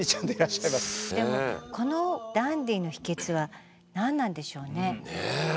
でもこのダンディーの秘けつは何なんでしょうね？